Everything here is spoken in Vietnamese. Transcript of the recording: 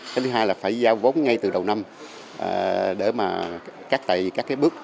cái thứ hai là phải giao vốn ngay từ đầu năm để mà cắt tẩy các cái bước